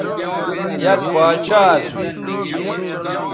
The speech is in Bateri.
یک باچھا اسو